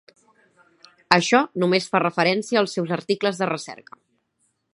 Això només fa referència als seus articles de recerca.